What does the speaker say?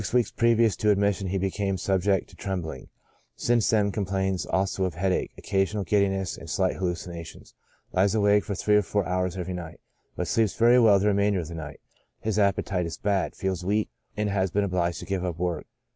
weeks previous to admission, he became subject to trem bling ; since then, complains also of headache, occasional giddiness, and slight hallucinations : lies awake for three or four hours every night, but sleeps very well the remainder of the night. His appetite is bad. Feels weak, and has been obliged to give up work.